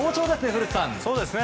古田さん。